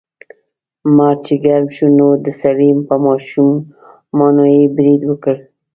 مار چې ګرم شو نو د سړي په ماشومانو یې برید وکړ.